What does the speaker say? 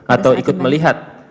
atau ikut melihat